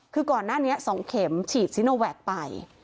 คือก่อนหน้านี้๒เข็มฉีดซิโนแวคไป